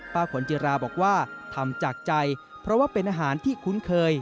ขนจิราบอกว่าทำจากใจเพราะว่าเป็นอาหารที่คุ้นเคย